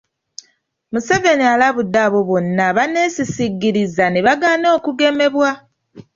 Museveni alabudde abo bonna abaneesisigiriza ne bagaana okugemebwa.